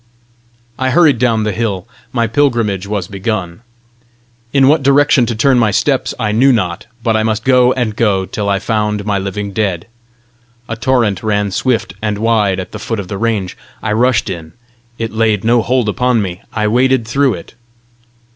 I hurried down the hill: my pilgrimage was begun! In what direction to turn my steps I knew not, but I must go and go till I found my living dead! A torrent ran swift and wide at the foot of the range: I rushed in, it laid no hold upon me; I waded through it.